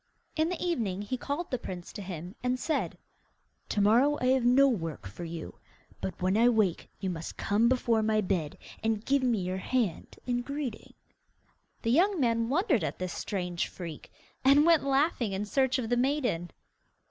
In the evening he called the prince and said: 'To morrow I have no work for you, but when I wake you must come before my bed, and give me your hand in greeting.' The young man wondered at this strange freak, and went laughing in search of the maiden.